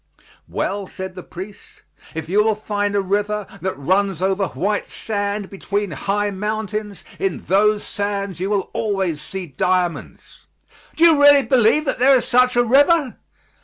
"Well," said the priest, "if you will find a river that runs over white sand between high mountains, in those sands you will always see diamonds." "Do you really believe that there is such a river?"